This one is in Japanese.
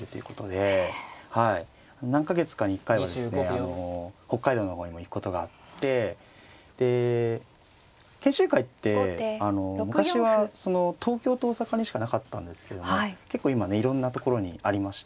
あの北海道の方にも行くことがあってで研修会って昔はその東京と大阪にしかなかったんですけども結構今ねいろんなところにありまして。